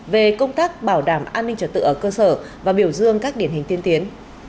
về công tác bảo đảm an ninh trật tự ở cơ sở và biểu dương các điển hình tiên tiến